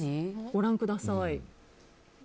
ご覧ください。